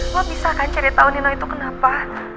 lo bisa kan cari tau nino itu kenapa